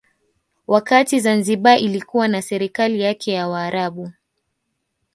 Wakati Zanzibar ilikuwa na serikali yake ya Waarabu